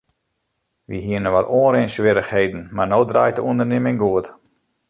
Wy hiene wat oanrinswierrichheden mar no draait de ûndernimming goed.